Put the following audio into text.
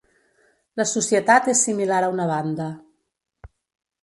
La societat és similar a una banda.